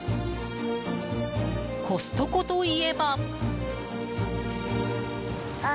コストコといえば。